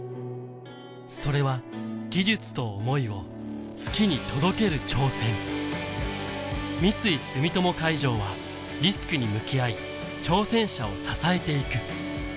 それは技術と想いを月に届ける挑戦三井住友海上はリスクに向き合い挑戦者を支えていく三井住友海上